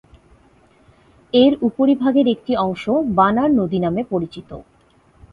এর উপরিভাগের একটি অংশ বানার নদী নামে পরিচিত।